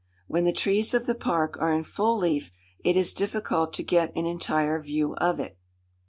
When the trees of the park are in full leaf, it is difficult to get an entire view of it.